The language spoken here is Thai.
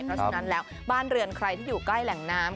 เพราะฉะนั้นแล้วบ้านเรือนใครที่อยู่ใกล้แหล่งน้ำ